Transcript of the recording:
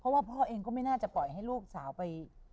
เพราะว่าพ่อเองก็ไม่น่าจะปล่อยให้ลูกสาวไป